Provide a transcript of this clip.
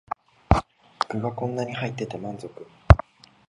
具がこんなに入ってて満足